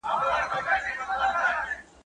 ږيره زما، اختيار د ملا.